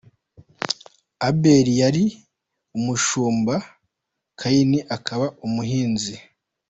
Abeli yari umushumba, Kayini akaba umuhinzi.